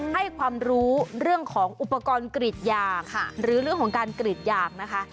ให้ความรู้เรื่องของอุปกรณ์กรีดยางหรือเรื่องของการกรีดยางนะคะ